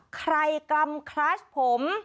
ใครกลำคลัชผม